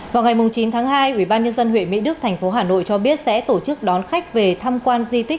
vào ngày chín tháng hai ubnd huyện mỹ đức thành phố hà nội cho biết sẽ tổ chức đón khách về thăm quan di tích